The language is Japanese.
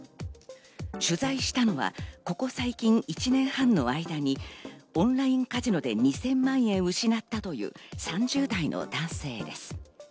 取材したのはここ最近１年半の間にオンラインカジノで２０００万円を失ったという３０代の男性です。